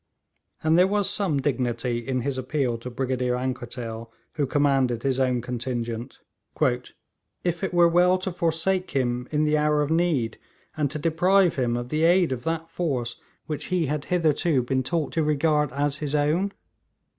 And there was some dignity in his appeal to Brigadier Anquetil, who commanded his own contingent, 'if it were well to forsake him in the hour of need, and to deprive him of the aid of that force which he had hitherto been taught to regard as his own?'